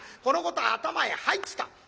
このことは頭へ入ってた。